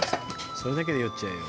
「それだけで酔っちゃうよ」